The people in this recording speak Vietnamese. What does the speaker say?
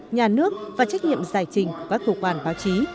nhà nước và trách nhiệm giải trình của các cơ quan báo chí